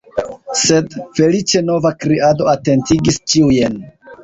Sed, feliĉe, nova kriado atentigis ĉiujn.